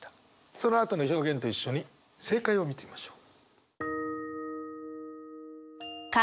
そのあとの表現と一緒に正解を見てみましょう。